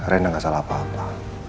renda gak salah apa apa